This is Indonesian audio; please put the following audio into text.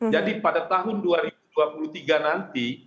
jadi pada tahun dua ribu dua puluh tiga nanti